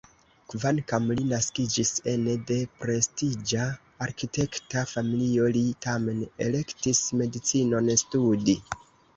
Kvankam li naskiĝis ene de prestiĝa arkitekta familio, li tamen elektis medicinon studi.